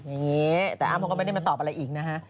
อย่างนี้แต่อ้ำเขาก็ไม่ได้มาตอบอะไรอีกนะฮะ